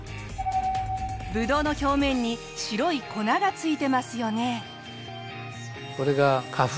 ぶどうの表面に白い粉がついてますよね。